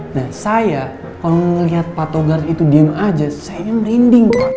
nah saya kalo ngeliat pak togar itu diem aja saya merinding pak